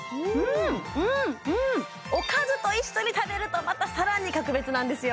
おかずと一緒に食べるとまた更に格別なんですよ